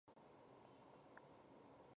近圆粉虱为粉虱科迷粉虱属下的一个种。